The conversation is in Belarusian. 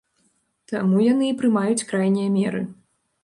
Таму яны і прымаюць крайнія меры.